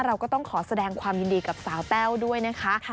เราก็ต้องขอแสดงความยินดีกับสาวแต้วด้วยนะคะ